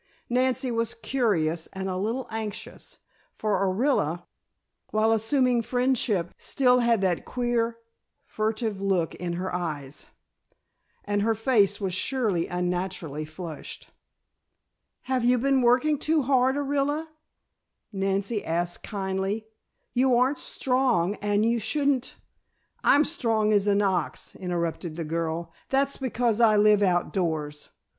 Nancy was curious and a little anxious, for Orilla, while assuming friendship, still had that queer, furtive look in her eyes, and her face was surely unnaturally flushed. "Have you been working too hard, Orilla?" Nancy asked kindly. "You aren't strong and you shouldn't " "I'm strong as an ox," interrupted the girl. "That's because I live out doors.